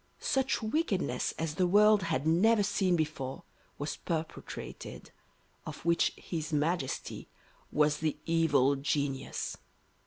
Such wickedness as the world had never seen before was perpetrated, of which his Majesty was the evil genius.